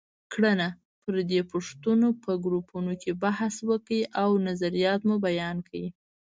کړنه: پر دې پوښتنو په ګروپونو کې بحث وکړئ او نظریات مو بیان کړئ.